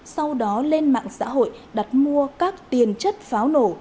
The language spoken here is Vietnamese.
sau đó lên mạng xã hội đặt mua các tiền chất pháo nổ